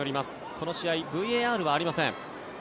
この試合、ＶＡＲはありません。